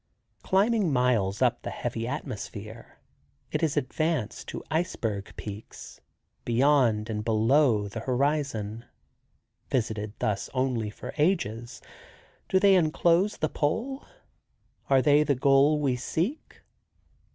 Climbing miles up the heavy atmosphere, it is advanced to iceberg peaks, beyond and below the horizon. Visited thus only for ages, do they inclose the pole? Are they the goal we seek?